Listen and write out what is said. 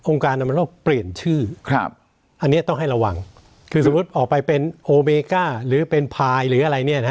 การนำโลกเปลี่ยนชื่อครับอันนี้ต้องให้ระวังคือสมมุติออกไปเป็นโอเมก้าหรือเป็นพายหรืออะไรเนี่ยนะ